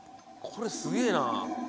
これすげぇな。